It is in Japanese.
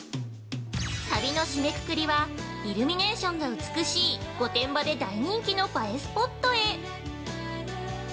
◆旅の締めくくりはイルミネーションが美しい御殿場で大人気の映えスポットへ。